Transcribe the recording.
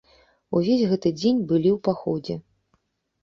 Увесь гэты дзень былі ў паходзе.